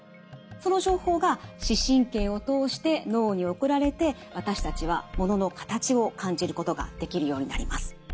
その情報が視神経を通して脳に送られて私たちはものの形を感じることができるようになります。